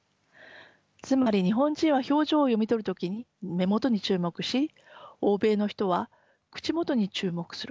つまり日本人は表情を読み取る時に目元に注目し欧米の人は口元に注目する。